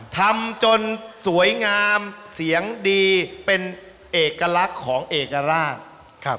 ทำจนสวยงามเสียงดีเป็นเอกลักษณ์ของเอกราชครับ